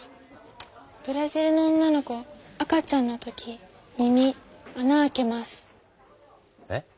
ブラジルの女の子赤ちゃんの時耳あな開けます。え？